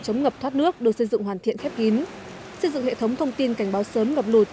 chống ngập thoát nước được xây dựng hoàn thiện khép kín xây dựng hệ thống thông tin cảnh báo sớm ngập lụt